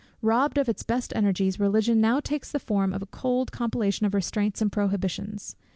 Robbed of its best energies, Religion now takes the form of a cold compilation of restraints and prohibitions.